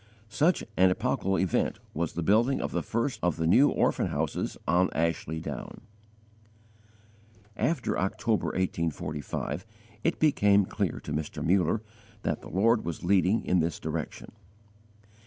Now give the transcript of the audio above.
Such an epochal event was the building of the first of the New Orphan Houses on Ashley Down. After October, 1845, it became clear to Mr. Muller that the Lord was leading in this direction.